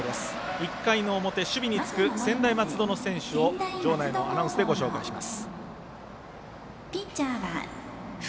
１回の表、守備につく専大松戸の選手を場内のアナウンスでご紹介します。